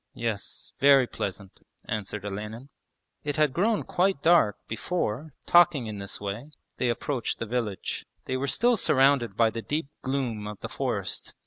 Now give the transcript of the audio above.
'Yes, very pleasant,' answered Olenin. It had grown quite dark before, talking in this way, they approached the village. They were still surrounded by the deep gloom of the forest.